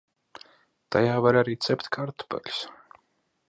Tajā var arī cept kartupeļus.